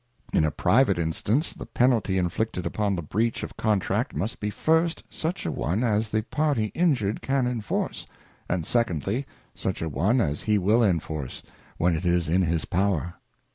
In a private instance, the Penalty inflicted upon the breach of Contract must be first, such a one as the party injured can enforce, and Secondly, such a one as he will enforce, when it is in his power.